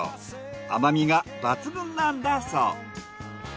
甘みが抜群なんだそう。